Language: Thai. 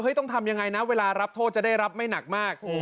ต้องทำยังไงนะเวลารับโทษจะได้รับไม่หนักมาก